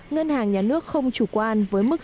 ngân hàng nhà nước không chủ quan với tỷ giá trung tâm